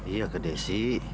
iya ke desi